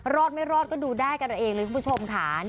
รอดไม่รอดก็ดูได้กันเอาเองเลยคุณผู้ชมค่ะ